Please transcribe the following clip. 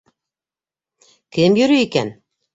Кем йөрөй икән?